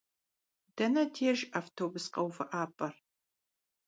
Dene dêjj avtobus kheuvı'ep'er?